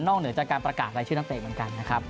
เหนือจากการประกาศรายชื่อนักเตะเหมือนกันนะครับ